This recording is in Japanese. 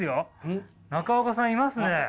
中岡さんいますね。